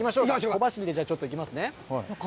小走りで、ちょっと行きましょうね。